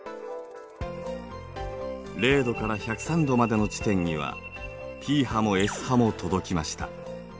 ０°から１０３°までの地点にはＰ波もＳ波も届きました。